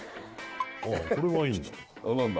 ああこれはいいんだ何だ？